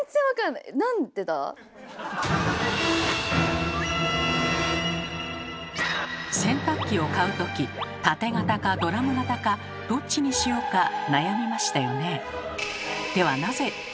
なんでだ⁉洗濯機を買う時タテ型かドラム型かどっちにしようか悩みましたよね。